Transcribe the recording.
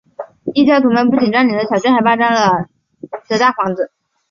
异教徒们不仅占领了小镇还霸占了塞尔瓦托兄弟的大房子。